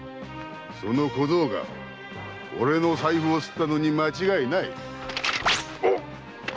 その小僧が俺の財布をすったのに間違いない！